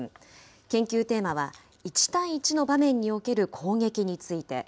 研究テーマは、１対１の場面における攻撃について。